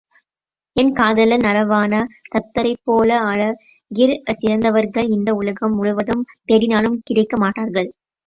என் காதலர் நரவாண தத்தரைப்போல அழகிற் சிறந்தவர்கள் இந்த உலகம் முழுவதும் தேடினாலும் கிடைக்க மாட்டார்களே!